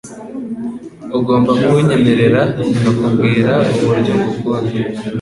Ugomba kunyemerera nkakubwira uburyo ngukunda